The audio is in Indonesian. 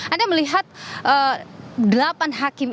anda melihat delapan hakim